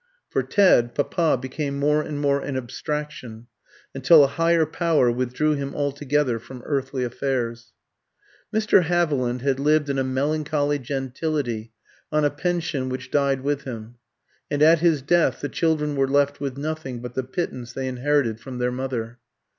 For Ted "Papa" became more and more an abstraction, until a higher Power withdrew him altogether from earthly affairs. Mr. Haviland had lived in a melancholy gentility on a pension which died with him, and at his death the children were left with nothing but the pittance they inherited from their mother.